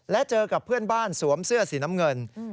และเจอกับเพื่อนบ้านสวมเสื้อสีน้ำเงิน